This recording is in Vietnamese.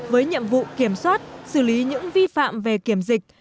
với nhiệm vụ kiểm soát xử lý những vi phạm về kiểm dịch